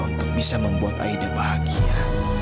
untuk bisa membuat aida bahagia